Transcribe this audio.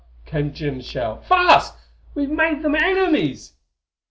came Jim's shout. "Fast! We've made them enemies!"